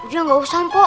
udah gausah mpo